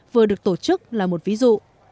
vừa được tổ chức là một ví dụ